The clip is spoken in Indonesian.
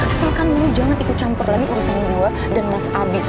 asalkan lo jangan ikut campur lagi urusan gue dan mas abi